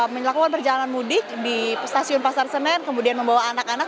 melakukan perjalanan mudik di stasiun pasar senen kemudian membawa anak anak